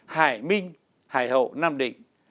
hải minh hải hậu nam định